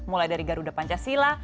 mulai dari garuda pancasila